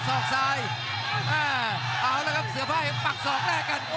โอ้ยได้เสียวทั้งคู่